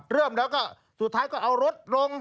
เริ่มแล้วก็สุดท้ายก็เอารถลง